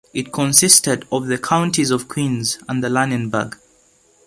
It consisted of the counties of Queens and Lunenburg.